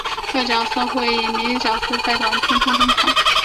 各角色会以迷你角色在短篇中登场。